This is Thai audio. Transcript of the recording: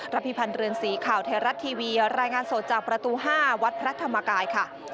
พิพันธ์เรือนสีข่าวไทยรัฐทีวีรายงานสดจากประตู๕วัดพระธรรมกายค่ะ